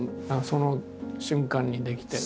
その瞬間に出来て。